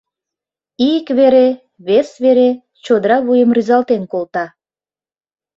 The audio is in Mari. Ик вере, вес вере чодыра вуйым рӱзалтен колта.